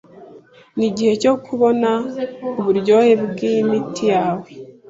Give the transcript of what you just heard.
Nigihe cyo kubona uburyohe bwimiti yawe.